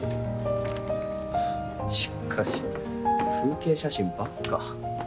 しかし風景写真ばっか。